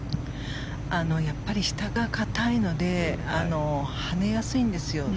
やっぱり下が硬いので跳ねやすいんですよ。